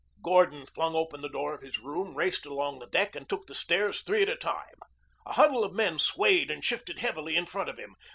Gordon flung open the door of his room, raced along the deck, and took the stairs three at a time. A huddle of men swayed and shifted heavily in front of him.